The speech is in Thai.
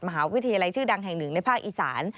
มหาวิทยาลัยชื่อดังแห่งหนึ่งในภาคอีสาน